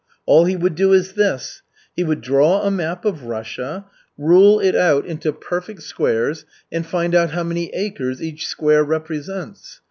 All he would do is this. He would draw a map of Russia, rule it out into perfect squares, and find out how many acres each square represents.